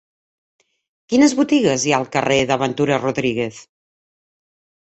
Quines botigues hi ha al carrer de Ventura Rodríguez?